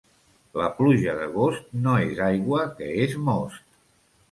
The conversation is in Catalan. La pluja d'agost no és aigua, que és most.